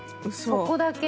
そこだけ。